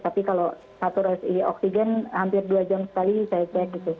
tapi kalau saturasi oksigen hampir dua jam sekali saya cek gitu